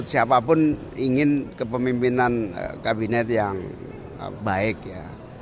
siapapun ingin kepemimpinan kabinet yang baik ya